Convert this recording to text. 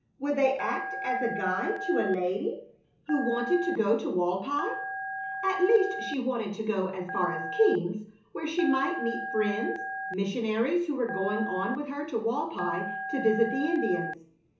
Would they act as guide to a lady who wanted to go to Walpi? At least she wanted to go as far as Keams, where she might meet friends, missionaries, who were going on with her to Walpi to visit the Indians.